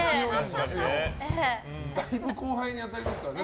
だいぶ後輩に当たりますからね。